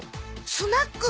スナック？